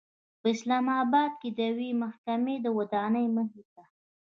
په اسلام آباد کې د یوې محکمې د ودانۍمخې ته